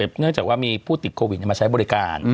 เนื่องจากว่ามีผู้ติดโควิดมาใช้บริการ